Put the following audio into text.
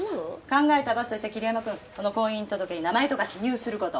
考えた罰として霧山君この婚姻届に名前とか記入する事。